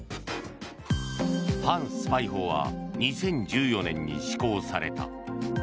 反スパイ法は２０１４年に施行された。